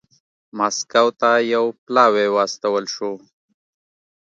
مسکو ته یو پلاوی واستول شو